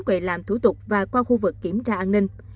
quầy làm thủ tục và qua khu vực kiểm tra an ninh